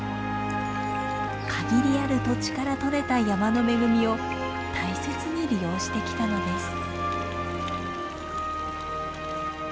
限りある土地からとれた山の恵みを大切に利用してきたのです。